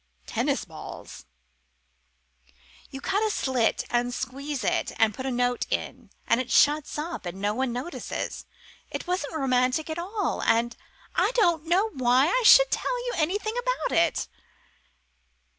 "Tennis balls?" "You cut a slit and squeeze it and put a note in, and it shuts up and no one notices it. It wasn't romantic at all. And I don't know why I should tell you anything about it."